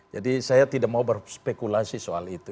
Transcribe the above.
jadi saya tidak mau berspekulasi soal itu